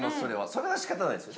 それは仕方ないですよ。